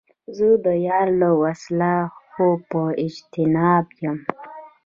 زه د یار له وصله خود په اجتناب یم